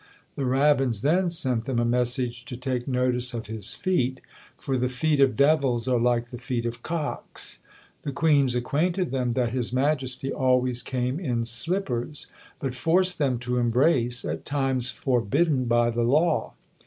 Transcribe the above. The rabbins then sent them a message to take notice of his feet; for the feet of devils are like the feet of cocks. The queens acquainted them that his majesty always came in slippers, but forced them to embrace at times forbidden by the law.